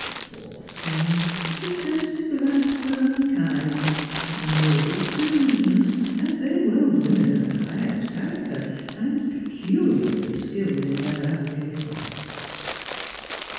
Poor thing, she fancied the last were unkind ; the merest delusion, as they were women of the highest character, and peculiarly skilled in their avocation."